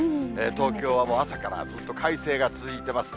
東京はもう朝からずっと快晴が続いています。